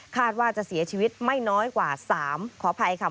ว่าจะเสียชีวิตไม่น้อยกว่า๓ขออภัยค่ะ